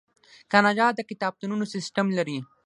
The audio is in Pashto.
کاناډا د کتابتونونو سیستم لري.